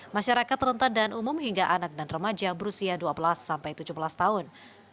masyarakat rentan dan umum hingga anak dan remaja berusia dua belas sampai tujuh belas tahun